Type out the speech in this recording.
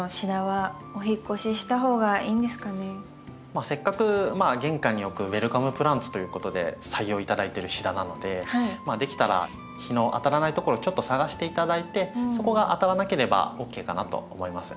まあせっかく玄関に置くウェルカムプランツということで採用頂いてるシダなのでできたら日の当たらないところちょっと探して頂いてそこが当たらなければＯＫかなと思います。